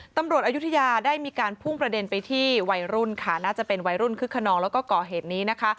อายุทยาได้มีการพุ่งประเด็นไปที่วัยรุ่นค่ะน่าจะเป็นวัยรุ่นคึกขนองแล้วก็ก่อเหตุนี้นะคะ